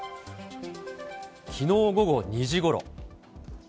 きのう午後２時ごろ。